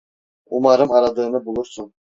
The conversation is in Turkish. Umarım aradığını bulursun.